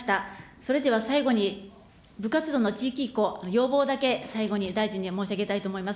それでは最後に、部活動の地域移行、要望だけ、最後に大臣に申し上げたいと思います。